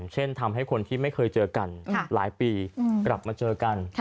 เช่นทำให้คนที่ไม่เคยเจอกันหลายปีกลับมาเจอกัน